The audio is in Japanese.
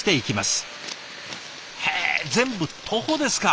へえ全部徒歩ですか！